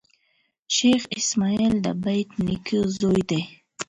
شېخ اسماعیل دبېټ نیکه زوی دﺉ.